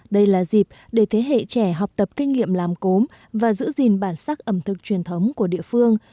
đây là dịp để thế hệ trẻ học tập kinh nghiệm làm cốm và giữ gìn bản sắc ẩm thực truyền thống của địa phương